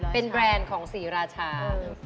เป็นแบรนด์ของศรีราชา